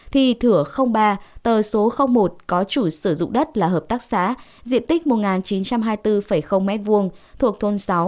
thì thửa ba tờ số một có chủ sử dụng đất là hợp tác xã diện tích một chín trăm hai mươi bốn m hai thuộc thôn sáu